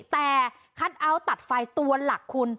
แต่คัทเอาท์ตัดไฟตัวหลักคุณ